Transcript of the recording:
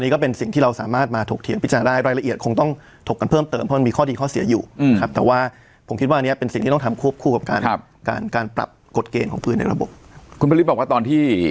ก็เป็นสิ่งที่เราสามารถมาถกเถียงพิจารณาของมันได้